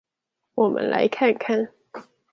我們來看看